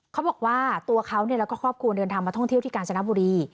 เขาบอกว่าตัวเขาแล้วก็ครอบครัวเดินทางมาท่องเที่ยวที่กาญจนบุรี